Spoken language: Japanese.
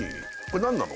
何なの？